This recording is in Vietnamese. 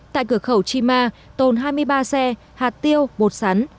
tại cửa khẩu chi ma tồn hai mươi ba xe hạt tiêu bột sắn